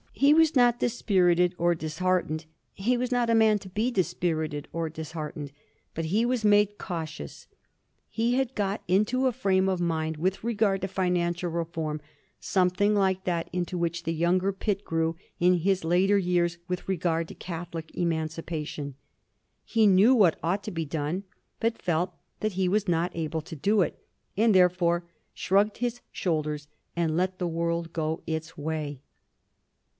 He was not dispirited or disheartened; he was not a man to be dispirited or disheartened, but he was made cautious. He had got into a frame of mind with regard to financial reform something like that into which the younger Pitt grew in his later years with re gard to Catholic emancipation : he knew what ought to be done, but felt that he was not able to do it, and there fore shrugged his shoulders and let the world go its way.